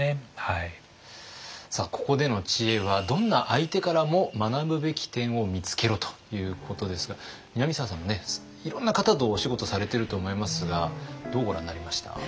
さあここでの知恵は「どんな相手からも学ぶべき点を見つけろ！」ということですが南沢さんもねいろんな方とお仕事されてると思いますがどうご覧になりました？